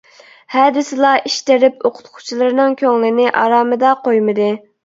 ھە دېسىلا ئىش تىرىپ ئوقۇتقۇچىلىرىنىڭ كۆڭلىنى ئارامىدا قويمىدى.